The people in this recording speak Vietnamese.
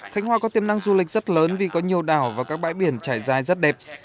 khánh hòa có tiềm năng du lịch rất lớn vì có nhiều đảo và các bãi biển trải dài rất đẹp